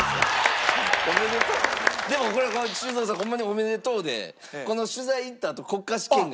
でもこれ修造さんホンマにおめでとうでこの取材行ったあと国家試験があるって。